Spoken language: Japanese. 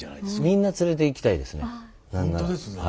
みんな連れていきたいですね。